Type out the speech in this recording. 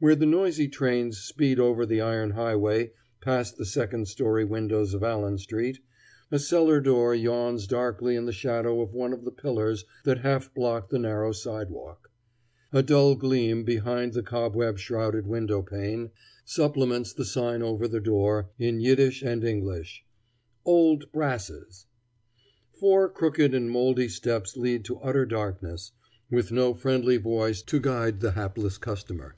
Where the noisy trains speed over the iron highway past the second story windows of Allen street, a cellar door yawns darkly in the shadow of one of the pillars that half block the narrow sidewalk. A dull gleam behind the cobweb shrouded window pane supplements the sign over the door, in Yiddish and English: "Old Brasses." Four crooked and moldy steps lead to utter darkness, with no friendly voice to guide the hapless customer.